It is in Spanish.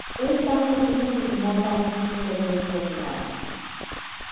Es tan cenizo que si monta un circo le crecen los enanos